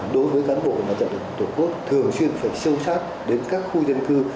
đối với cán bộ mặt trận tổ quốc thường xuyên phải sâu sát đến các khu dân cư